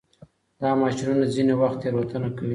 دا ماشینونه ځینې وخت تېروتنه کوي.